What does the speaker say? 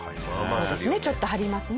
そうですねちょっと張りますね。